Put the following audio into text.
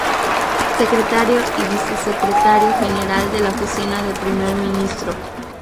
Secretario y Vicesecretario general de la Oficina del Primer Ministro.